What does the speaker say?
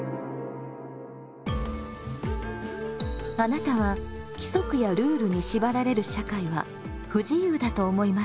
あなたは規則やルールに縛られる社会は不自由だと思いますか？